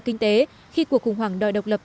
kinh tế khi cuộc khủng hoảng đòi độc lập